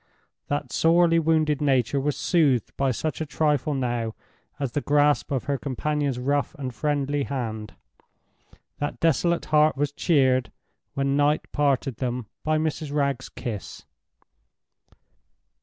That sorely wounded nature was soothed by such a trifle now as the grasp of her companion's rough and friendly hand—that desolate heart was cheered, when night parted them, by Mrs. Wragge's kiss.